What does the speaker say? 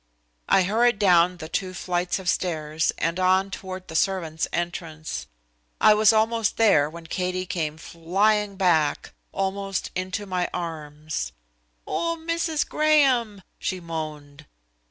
I hurried down the two flights of stairs and on toward the servant's entrance. I was almost there when Katie came flying back, almost into my arms. "Oh, Missis Graham," she moaned.